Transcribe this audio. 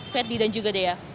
ferdi dan juga dea